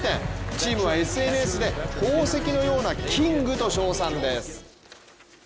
チームはＳＮＳで宝石のようなキングと称賛です。